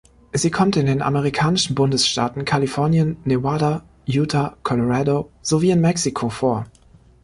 Sie kommt in den amerikanischen Bundesstaaten Kalifornien, Nevada, Utah, Colorado sowie in Mexiko vor.